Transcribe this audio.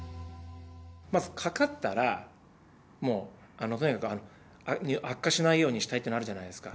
まずかかったら、もうとにかく悪化しないようにしたいってなるじゃないですか。